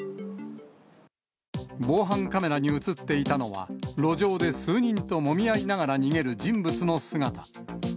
防犯カメラに写っていたのは、路上で数人ともみ合いながら逃げる人物の姿。